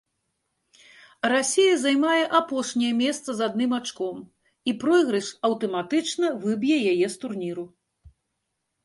Расія займае апошняе месца з адным ачком і пройгрыш аўтаматычна выб'е яе з турніру.